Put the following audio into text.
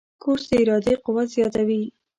کورس د ارادې قوت زیاتوي.